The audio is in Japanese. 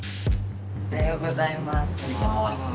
おはようございます。